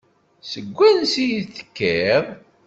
Seg wansi i d-tekkiḍ?